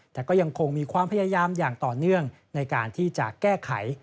แต่ก็ยังคงมีความพยายามอย่างต่อเนื่องในการที่จะแก้ไข